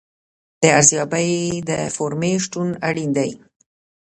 د ارزیابۍ د فورمې شتون اړین دی.